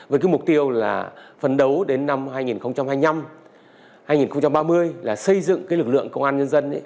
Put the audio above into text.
với cái mục tiêu là phấn đấu đến năm hai nghìn hai mươi năm hai nghìn ba mươi là xây dựng lực lượng công an nhân dân